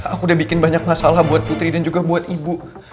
aku udah bikin banyak masalah buat putri dan juga buat ibu